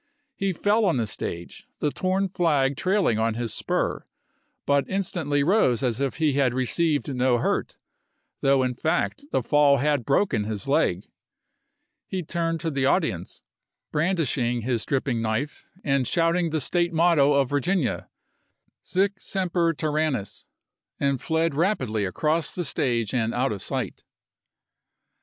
He fell on the stage, the torn flag trailing on his spur, but instantly rose as if he had received no hurt, though in fact the fall had broken his leg ; he turned to the audience, brandishing his dripping knife, and shouting the State motto of Virginia, " Sic Semper Tyrannis," 1 and fled rapidly across the stage and out of sight.